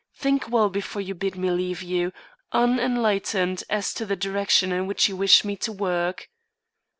Think well before you bid me leave you, unenlightened as to the direction in which you wish me to work."